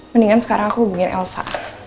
mendingan sekarang aku bikin elsa